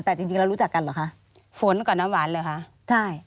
แต่จริงแล้วรู้จักกันหรือคะฝนกับน้ำหวานเลยค่ะ